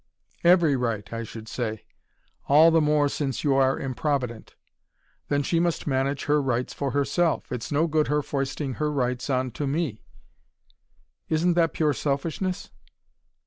"Every right, I should say. All the more since you are improvident." "Then she must manage her rights for herself. It's no good her foisting her rights on to me." "Isn't that pure selfishness?"